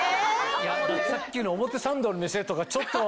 さっきの表参道の店とかちょっと。